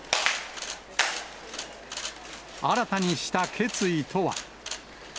新たにした決意とは。